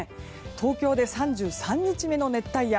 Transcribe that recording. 東京で３３日目の熱帯夜。